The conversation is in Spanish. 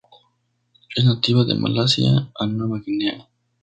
Es nativa de Malasia a Nueva Guinea.